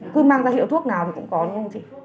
cứ mang ra hiệu thuốc nào thì cũng có đúng không chị